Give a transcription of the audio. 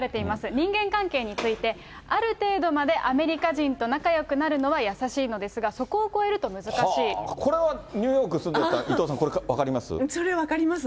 人間関係について、ある程度までアメリカ人と仲よくなるのは易しいのですが、そこをこれは、ニューヨーク住んでた伊藤さん、分かります？